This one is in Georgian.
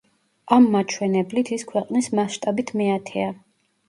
ამ მაჩვენებლით ის ქვეყნის მასშტაბით მეათეა.